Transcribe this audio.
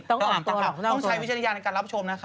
ต้องอ่านตามข่าวต้องใช้วิชัยนิยาในการรับชมนะคะ